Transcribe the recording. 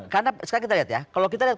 karena sekarang kita lihat ya kalau kita lihat